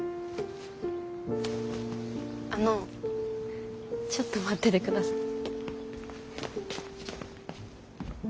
あのちょっと待ってて下さい。